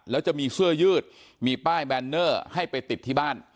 แล้วจะมีเสื้อยืดมีป้ายแบนเนอร์ให้ไปติดที่บ้าน